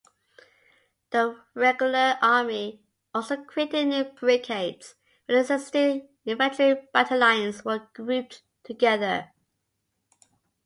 The regular army also created new brigades when existing infantry battalions were grouped together.